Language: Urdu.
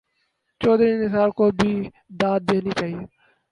چوہدری نثار کو بھی داد دینی چاہیے۔